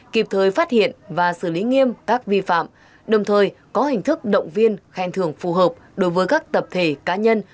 kịp thời phát hiện và xử lý nghiêm các vi phạm đồng thời có hình thức động viên khen thưởng phù hợp đối với các tập thể cá nhân